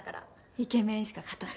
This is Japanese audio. イケメンしか勝たん。